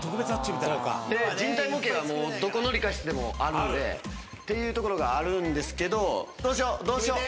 人体模型はどこの理科室でもあるんでっていうところがあるんですけどどうしようどうしよう。